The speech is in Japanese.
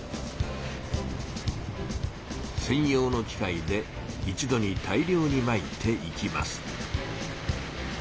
せん用の機械で一度に大量にまいていきます。